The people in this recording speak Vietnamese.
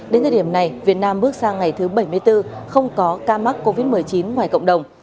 đến thời điểm này việt nam bước sang ngày thứ bảy mươi bốn không có ca mắc covid một mươi chín ngoài cộng đồng